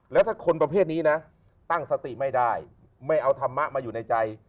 แล้วถ้าคนประเภทนี้นะตั้งสติไม่ได้ไม่เอาธรรมะมาอยู่ในใจ